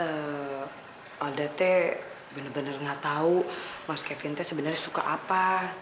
eh alda t bener bener gak tahu mas kevin t sebenarnya suka apa